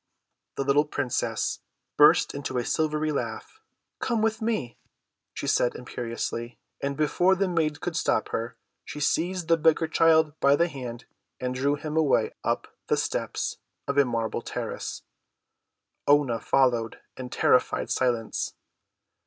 The little princess burst into a silvery laugh. "Come with me," she said imperiously. And, before the maid could stop her, she seized the beggar child by the hand and drew him away up the steps of a marble terrace. Oonah followed in terrified silence.